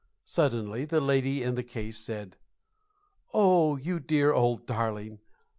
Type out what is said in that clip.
Suddenly the lady in the case said, "Oh, you dear old darling!"